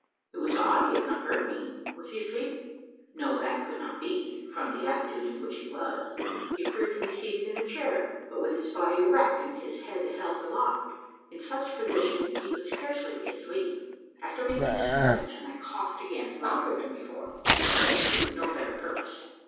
It was odd he had not heard me! Was he asleep? No: that could not be from the attitude in which he was. He appeared to be seated in a chair, but with his body erect, and his head held aloft. In such position, he could scarcely be asleep? After making this reflection, I coughed again louder than before; but to no better purpose!